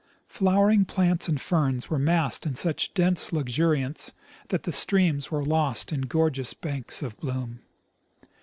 Flowering plants and ferns w.ere massed in such dense luxuri ance that the streams were lost in gorgeous banks of bloom.